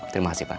terima kasih pak